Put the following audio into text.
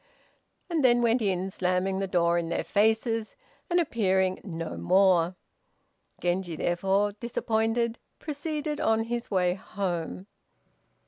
And then went in, slamming the door in their faces, and appearing no more. Genji, therefore disappointed, proceeded on his way home.